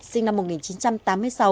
sinh năm một nghìn chín trăm tám mươi sáu